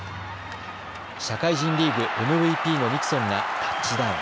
社会人リーグＭＶＰのニクソンがタッチダウン。